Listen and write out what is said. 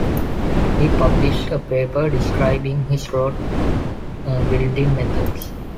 He published a paper describing his road building methods.